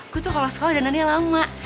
gue tuh kalau sekolah danannya lama